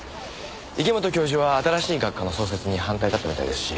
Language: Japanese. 池本教授は新しい学科の創設に反対だったみたいですし。